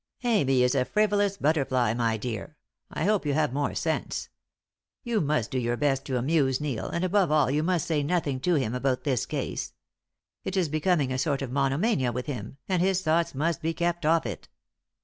"Amy is a frivolous butterfly, my dear. I hope you have more sense. You must do your best to amuse Neil, and above all you must say nothing to him about this case. It is becoming a sort of monomania with him, and his thoughts must be kept off it."